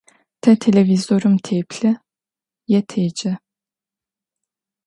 Тэ телевизорым теплъы е теджэ.